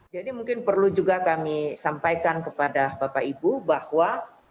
jadi mungkin perlu juga kami sampaikan kepada bapak ibu bahwa